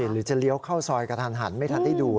หรือจะเลี้ยวเข้าซอยกระทันหันไม่ทันได้ดู